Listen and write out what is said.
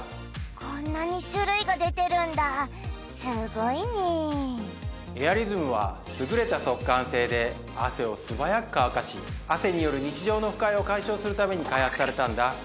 こんなに種類が出てるんだすごいねエアリズムは優れた速乾性で汗を素早く乾かしするために開発されたんだ